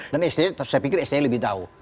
dan saya pikir sti lebih tahu